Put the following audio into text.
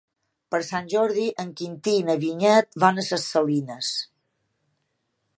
Per Sant Jordi en Quintí i na Vinyet van a Ses Salines.